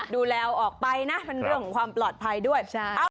ดูแลออกไปนะเป็นเรื่องของความปลอดภัยด้วย